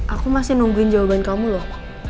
aku masih nungguin jawaban kamu loh